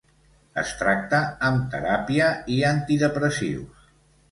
Es tracta amb teràpia i antidepressius.